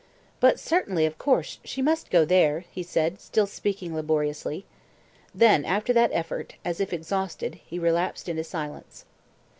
"But certainly, of course, she must go there," he said, still speaking laboriously. Then after that effort, as if exhausted, he relapsed into silence.